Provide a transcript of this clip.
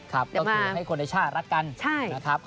ครับต้องคิดว่าให้คนในชาติรักกันนะครับขออนุญาตให้คนในชาติรักกัน